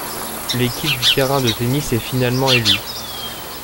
L'équipe du terrain de tennis est finalement élue.